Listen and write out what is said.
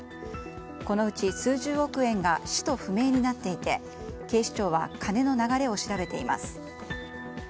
このうち数十億円が使途不明になっていて警視庁は金の流れを調べています。